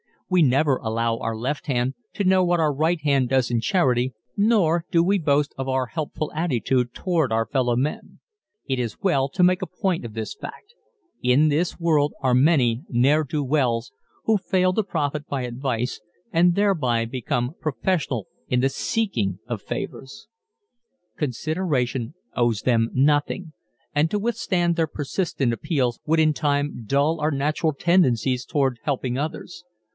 We never allow our left hand to know what our right hand does in charity, nor do we boast of our helpful attitude toward our fellow men. It is well to make a point of this fact in this world are many "ne'er do wells" who fail to profit by advice and thereby become professional in the seeking of favors. Consideration owes them nothing and to withstand their persistent appeals would in time dull our natural tendencies toward helping others.